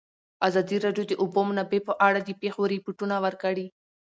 ازادي راډیو د د اوبو منابع په اړه د پېښو رپوټونه ورکړي.